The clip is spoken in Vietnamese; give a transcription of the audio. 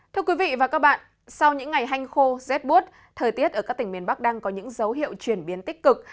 thưa quý vị và các bạn sau những ngày hanh khô rét bút thời tiết ở các tỉnh miền bắc đang có những dấu hiệu chuyển biến tích cực